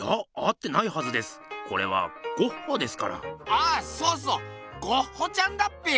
ああそうそうゴッホちゃんだっぺよ。